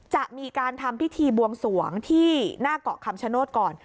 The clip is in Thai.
จะมีการทำพิธีบวงสวงที่หน้าเกาะคำชโนธก่อน